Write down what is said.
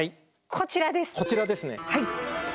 こちらですね。